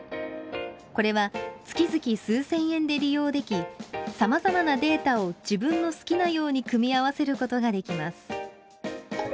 これは月々数千円で利用できさまざまなデータを自分の好きなように組み合わせることができます。